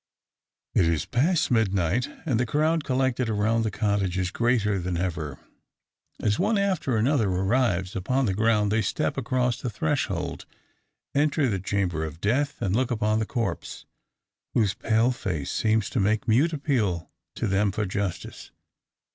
It is past midnight, and the crowd collected around the cottage is greater than ever. As one after another arrives upon the ground they step across the threshold, enter the chamber of death, and look upon the corpse, whose pale face seems to make mute appeal to them for justice.